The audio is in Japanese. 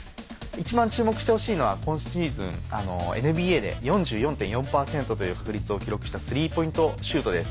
一番注目してほしいのは今シーズンＮＢＡで４４．４％という確率を記録した３ポイントシュートです。